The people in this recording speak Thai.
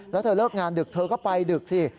แล้วเธอเลิกงานดึกเธอก็ไปดึกสิ